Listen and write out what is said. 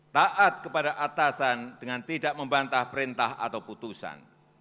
taat kepada atasan dengan tidak membantah perintah atau putusan